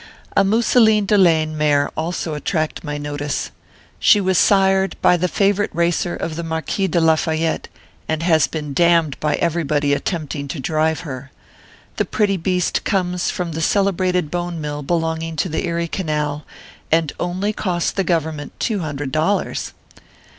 A mousseline de laine mare also attracted my notice. She was sired by the favorite racer of the Marquis de Lafayette, and has been damned by everybody at tempting to drive her. The pretty beast comes from the celebrated Bone Mill belonging to the Erie Canal, and only cost the Government two hundred dollars.